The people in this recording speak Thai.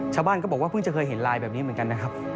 ชาวบ้านก็บอกว่าเพิ่งจะเคยเห็นลายแบบนี้เหมือนกันนะครับ